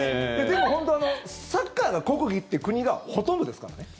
でも本当サッカーが国技って国がほとんどですから。